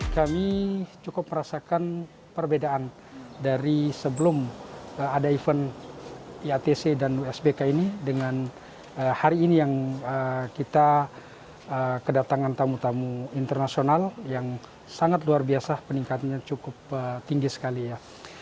kami cukup merasakan perbedaan dari sebelum ada event iatc dan usbk ini dengan hari ini yang kita kedatangan tamu tamu internasional yang sangat luar biasa peningkatannya cukup tinggi sekali ya